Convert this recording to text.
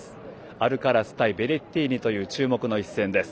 アルカラス対ベレッティーニの注目の一戦です。